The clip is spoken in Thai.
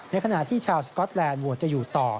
ขณะที่ชาวสก๊อตแลนดจะอยู่ต่อ